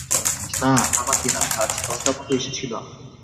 না, আমাকে না, তন্দ্রামতো এসেছিল আমার।